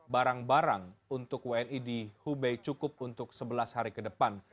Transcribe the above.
barang barang untuk wni di hubei cukup untuk sebelas hari ke depan